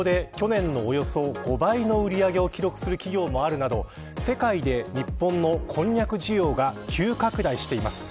円安の影響で、去年のおよそ５倍の売り上げを記録する企業もあるなど世界で日本のこんにゃく需要が急拡大しています。